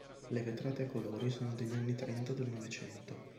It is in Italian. Le vetrate a colori sono degli anni trenta del Novecento.